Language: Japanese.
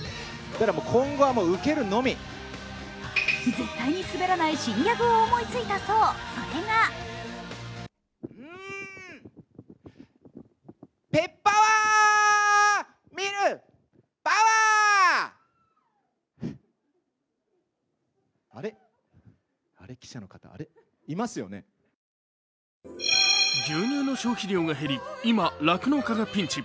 絶対にスベらない新ギャグを思いついたそう、それが牛乳の消費量が減り、今、酪農家がピンチ。